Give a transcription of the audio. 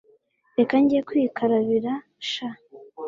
reka njye kwikarabira sha